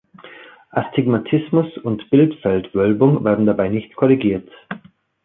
Astigmatismus und Bildfeldwölbung werden dabei nicht korrigiert.